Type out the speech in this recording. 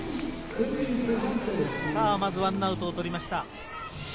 まず１アウトを取りました。